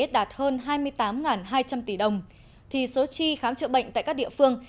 đạt hơn hai mươi tám hai trăm linh tỷ đồng thì số chi khám chữa bệnh tại các địa phương